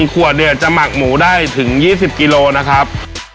ขวดเนี่ยจะหมักหมูได้ถึง๒๐กิโลนะครับ